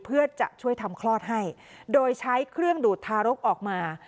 เพื่อจะช่วยทำคลอดให้โดยใช้เครื่องดูดทารกออกมา